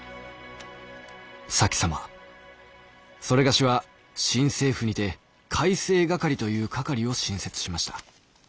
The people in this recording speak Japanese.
「前様某は新政府にて改正掛という掛を新設しました。